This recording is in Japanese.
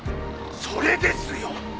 それですよ！